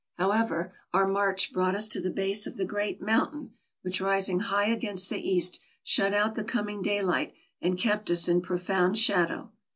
However, our march brought us to the base of the great mountain, which, rising high against the east, shut out the coming daylight, and kept us in profound shadow.